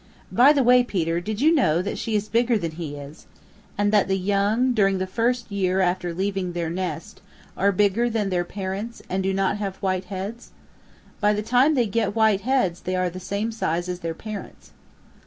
By the way, Peter, did you know that she is bigger than he is, and that the young during the first year after leaving their nest, are bigger than their parents and do not have white heads? By the time they get white heads they are the same size as their parents."